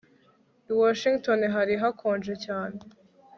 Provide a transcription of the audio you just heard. I Washington hari hakonje cyane